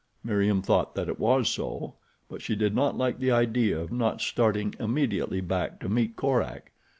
Meriem thought that it was so; but she did not like the idea of not starting immediately back to meet Korak.